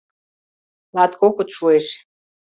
— Латкокыт шуэш.